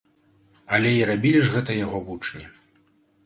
Але і рабілі ж гэта яго вучні.